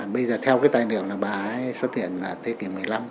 bây giờ theo cái tài niệm là bà ấy xuất hiện là thế kỷ một mươi năm